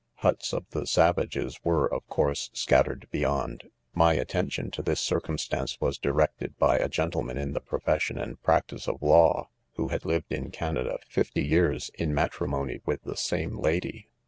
Huts of the savages were, of course, scattered beyond. My at tention to this circumstance, was directed by a gentle manfn, the profession and practice of law, who had lived in Canada fifty years in matrimony with the same lady.